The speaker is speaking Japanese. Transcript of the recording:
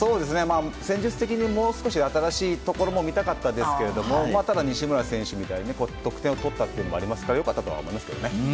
戦術的にもう少し新しいところも見たかったですけれどもただ、西村選手が得点を取ったのもありましたから良かったんじゃないですかね。